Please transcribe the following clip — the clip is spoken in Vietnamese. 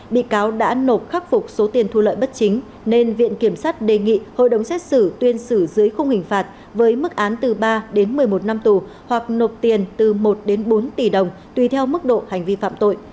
bị cáo đã nộp khắc phục số tiền thu lợi bất chính nên viện kiểm sát đề nghị hội đồng xét xử tuyên xử dưới khung hình phạt với mức án từ ba đến một mươi một năm tù hoặc nộp tiền từ một đến bốn tỷ đồng tùy theo mức độ hành vi phạm tội